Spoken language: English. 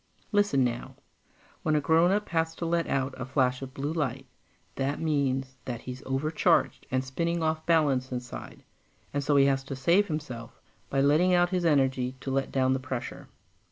Listen now. When a grownup has to let out a flash of blue light, that means that he's overcharged and spinning off balance inside, and so he has to save himself by letting out his energy to let down the pressure.